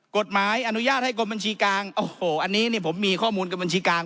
กฎหมายอนุญาตให้กรมบัญชีกลางโอ้โหอันนี้เนี่ยผมมีข้อมูลกับบัญชีกลาง